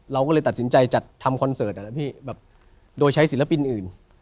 เราก็เลยตัดสินใจจัดทำคอนเสิร์ตนะพี่แบบโดยใช้ศิลปินอื่น